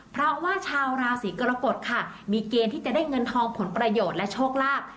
เพราะว่าชาวราศีกรกฎค่ะมีเกณฑ์ที่จะได้เงินทองผลประโยชน์และโชคลาภ